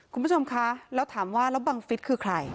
คุณผู้ชมคะแล้วถามว่าแล้วบังฟิศคือใคร